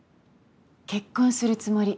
結婚するつもり。